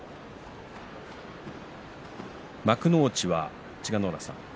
幕内は、千賀ノ浦さん。